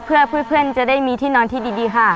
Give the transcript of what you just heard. เพื่อเพื่อนจะได้มีที่นอนที่ดีค่ะ